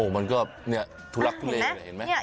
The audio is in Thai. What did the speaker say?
มันก็เนี่ยทุลักษณ์เลยเห็นมั้ย